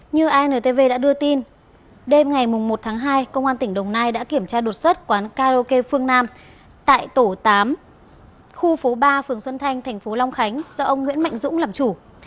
như antv đã đưa tin đêm ngày một tháng hai công an tỉnh đồng nai đã kiểm tra đột xuất quán karaoke phương nam tại tổ tám khu phố ba phường xuân thanh thành phố long khánh do ông nguyễn mạnh dũng làm chủ